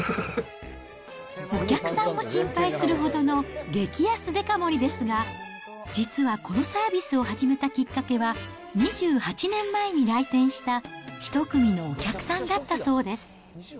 お客さんも心配するほどの激安デカ盛りですが、実はこのサービスを始めたきっかけは、２８年前に来店した１組のお客さんだったそうです。